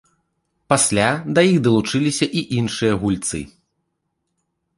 Пасля да іх далучыліся і іншыя гульцы.